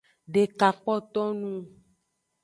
Deka kpoto nung.